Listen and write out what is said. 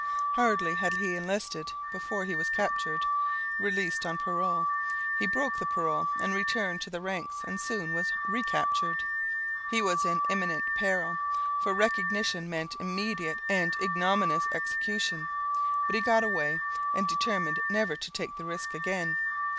Hardly had he enlisted before he was captured. Released on parole, he broke the parole and returned to the ranks, and soon was recaptured. He was in imminent peril, for recognition meant immediate and ignominious execution, but he got away, and determined never to take the risk again.